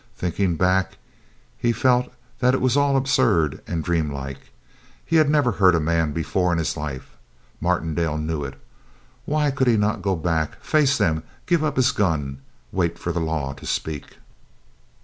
Thinking back, he felt that it was all absurd and dreamlike. He had never hurt a man before in his life. Martindale knew it. Why could he not go back, face them, give up his gun, wait for the law to speak?